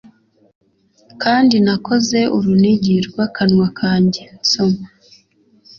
Kandi nakoze urunigi rw'akanwa kanjye nsoma